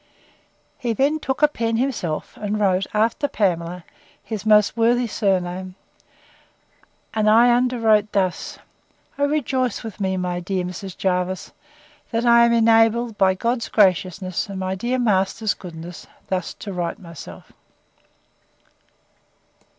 He then took a pen himself, and wrote, after Pamela, his most worthy sirname; and I under wrote thus: 'O rejoice with me, my dear Mrs. Jervis, that I am enabled, by God's graciousness, and my dear master's goodness, thus to write myself!